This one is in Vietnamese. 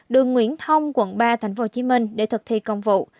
đường nguyễn thông quận ba tp hcm để thực thi công vụ